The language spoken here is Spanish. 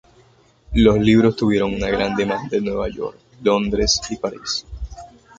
Los libros tuvieron una gran demanda en Nueva York, Londres y París.